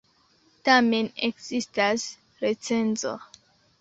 Tamen ekzistas recenzo!